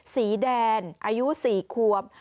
สีแดงอายุ๔ควบ